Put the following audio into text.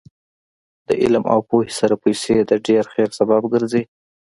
د علم او پوهې سره پیسې د ډېر خیر سبب ګرځي.